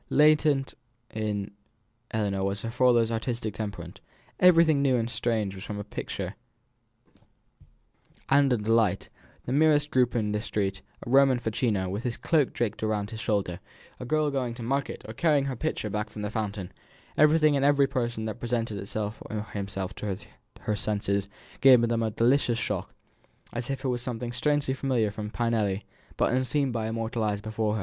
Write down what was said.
Latent in Ellinor was her father's artistic temperament; everything new and strange was a picture and a delight; the merest group in the street, a Roman facchino, with his cloak draped over his shoulder, a girl going to market or carrying her pitcher back from the fountain, everything and every person that presented it or himself to her senses, gave them a delicious shock, as if it were something strangely familiar from Pinelli, but unseen by her mortal eyes before.